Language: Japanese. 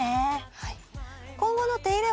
はい。